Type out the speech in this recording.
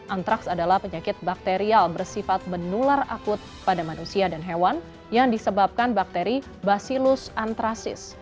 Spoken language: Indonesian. antraks adalah penyakit bakterial bersifat menular akut pada manusia dan hewan yang disebabkan bakteri basilus anthrasis